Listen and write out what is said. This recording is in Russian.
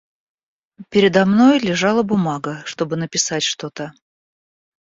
Передо мной лежала бумага, чтобы написать что-то.